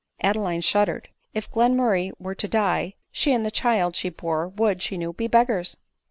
Adeline shuddered 5 if Glenmurray were to die, she and the child she bore would, she knew, be beggars.